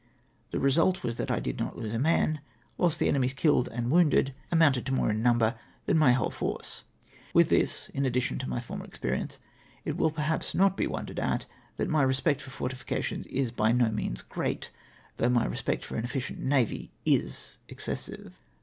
The result was that I did not lose a man, whilst the enemy's kihed and wounded amounted R 2 244 REASOXS WHY. to more in ininiber tlutn my whole force ! With tliis in addition to my former experience it perhaps wiU not be wondered at that my respect for fortifications is by no means great, though my respect for an efficient navy is excessive.